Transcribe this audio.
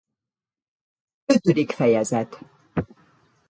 Ötödik fejezet.